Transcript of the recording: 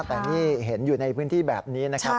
แต่นี่เห็นอยู่ในพื้นที่แบบนี้นะครับ